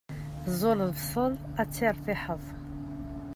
Ẓẓu lebṣel, ad tertiḥeḍ.